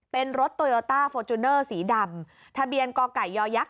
เป็นรถโตโยต้าฟอร์จูเนอร์สีดำทะเบียนกไก่ยักษ